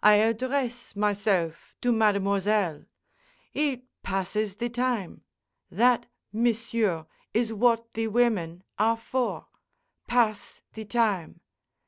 I address myself to mademoiselle; it passes the time. That, m'sieu', is wot the women are for—pass the time!